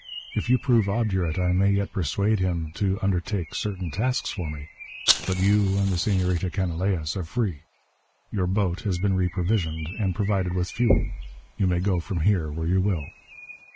If you prove obdurate, I may yet persuade him to undertake certain tasks for me. But you and the Senorita Canalejas are free. Your boat has been reprovisioned and provided with fuel. You may go from here where you will."